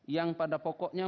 yang pada pokoknya